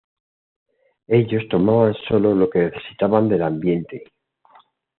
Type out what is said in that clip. Ellos tomaban sólo lo que necesitaban del ambiente.